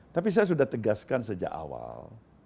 tapi saya sudah tegaskan sejak awal